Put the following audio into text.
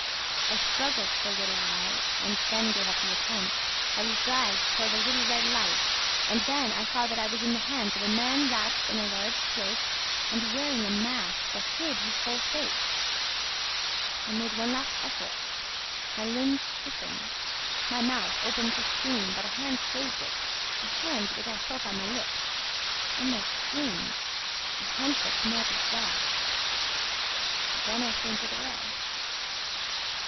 I struggled for a little while and then gave up the attempt. I was dragged toward the little red light and then I saw that I was in the hands of a man wrapped in a large cloak and wearing a mask that hid his whole face. I made one last effort; my limbs stiffened, my mouth opened to scream, but a hand closed it, a hand which I felt on my lips, on my skin ... a hand that smelt of death. Then I fainted away.